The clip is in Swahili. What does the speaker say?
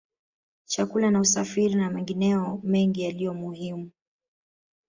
Chakula na usafiri na mengineyo mengi yaliyo muhimu